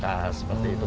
nah seperti itu